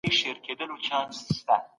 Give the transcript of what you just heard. دولت باید د پوهنې په برخه کي پانګونه وکړي.